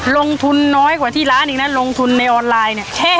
ลงทุนน้อยกว่าที่ร้านอีกนะลงทุนในออนไลน์เนี่ย